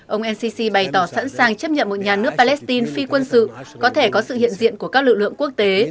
ông ncc bày tỏ sẵn sàng chấp nhận một nhà nước palestine phi quân sự có thể có sự hiện diện của các lực lượng quốc tế